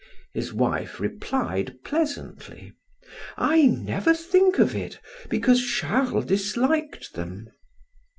His wife replied pleasantly: "I never think of it, because Charles disliked them."